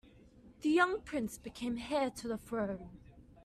The young prince became heir to the throne.